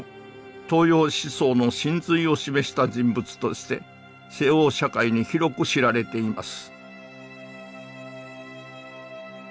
東洋思想の真髄を示した人物として西欧社会に広く知られています